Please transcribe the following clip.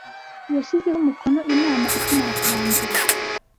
yshyizeho umukono inama ikimara kurangira